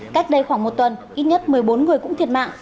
cách đây khoảng một tuần ít nhất một mươi bốn người cũng thiệt mạng